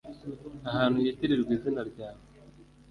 Ahantu hitirirwa izina ryawe